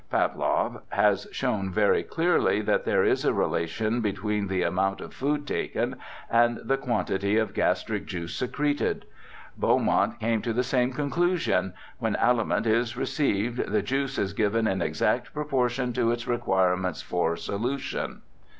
Pawlow has shown very clearly that there is a relation between the amount of food taken and the quantity of gastric juice secreted. Beaumont came to the same conclusion :' when aUment is received the juice is given in exact proportion to its requirements for solution.'